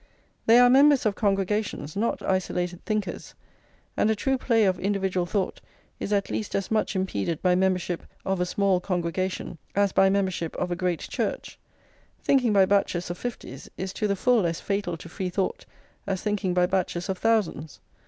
They are members of congregations, not isolated thinkers; and a true play of individual thought is at least as much impeded by membership of a small congregation as by membership of a great Church; thinking by batches of fifties is to the full as fatal to free thought as thinking by batches of thousands.